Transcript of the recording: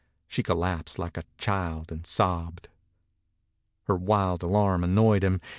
She collapsed like a child and sobbed. Her wild alarm annoyed him.